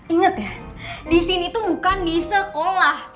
ingat ya disini tuh bukan di sekolah